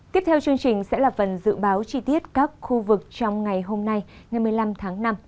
tiếp theo chương trình sẽ là phần dự báo chi tiết các khu vực trong ngày hôm nay ngày một mươi năm tháng năm